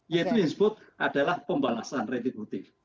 yaitu yang disebut adalah pembalasan retributif